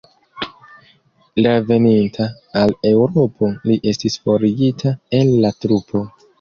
Reveninta al Eŭropo li estis forigita el la trupo.